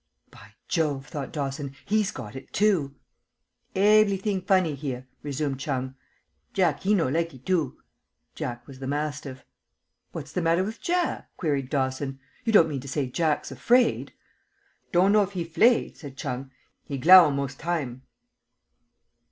"By Jove !" thought Dawson; "he's got it too!" "Evlyting flunny here," resumed Chung. "Jack he no likee too." Jack was the mastiff. "What's the matter with Jack?" queried Dawson. "You don't mean to say Jack's afraid?" "Do' know if he 'flaid," said Chung, "He growl most time."